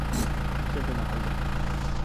这是哪里？